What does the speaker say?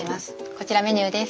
こちらメニューです。